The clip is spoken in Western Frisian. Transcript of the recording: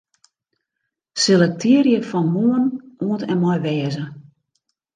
Selektearje fan 'Moarn' oant en mei 'wêze'.